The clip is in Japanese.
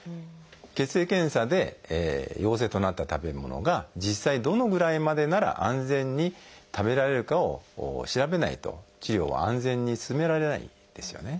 血液検査で陽性となった食べ物が実際どのぐらいまでなら安全に食べられるかを調べないと治療は安全に進められないんですよね。